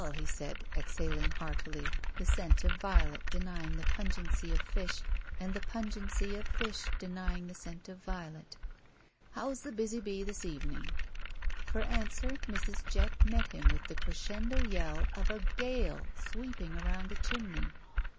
he said, exhaling heartily, the scent of violet denying the pungency of fish and the pungency of fish denying the scent of violet. '' How's the busy bee this evening?" For answer Mrs. Jett met him with the crescendo yell of a gale sweeping around a chimney.